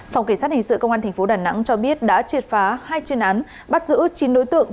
phòng kỳ sát hình sự công an tp đà nẵng cho biết đã triệt phá hai chuyên án bắt giữ chín đối tượng